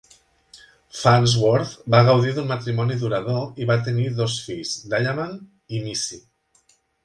Farnsworth va gaudir d'un matrimoni durador i va tenir dos fills, Diamond i Missy.